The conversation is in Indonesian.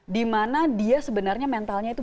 dimana dia sebenarnya mentalnya itu